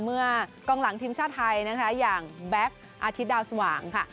เมื่อกองหลังทีมชาติไทยนะคะอย่างแบ็คอาทิตย์ดาวสว่างค่ะ